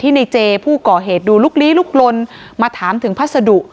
ในเจผู้ก่อเหตุดูลุกลี้ลุกลนมาถามถึงพัสดุ